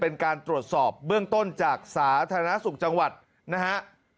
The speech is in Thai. เป็นการตรวจสอบเบื้องต้นจากสาธารณสุขจังหวัดนะฮะ